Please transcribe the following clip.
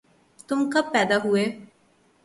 تم کب پیدا ہوئے